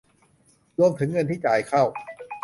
รวมถึงเงินที่จ่ายเข้า